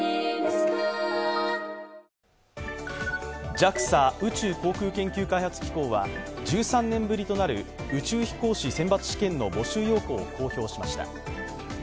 ＪＡＸＡ＝宇宙航空研究開発機構は１３年ぶりとなる宇宙飛行士選抜試験の募集要項を公表しました。